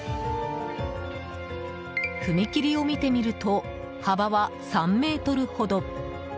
踏切を見てみると、幅は３ｍほど。